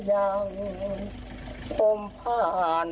ขายมาตั้งสี่สิบกว่าปีแล้ว